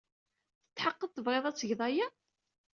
Tetḥeqqeḍ tebɣiḍ ad tgeḍ aya?